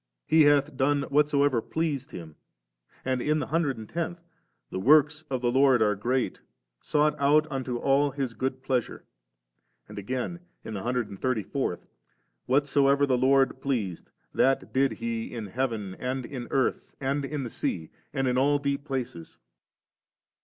He hath done whatsoever pleased Him,' and in the hundred and tenth, 'The works of the Lord are great, sought out unto all His good plea sure ;' and again, in the hundred and thirty fourth, 'Whatsoever the Lord pleased^ that did He in heaven, and in earth, and in the sea, and in all deep places!'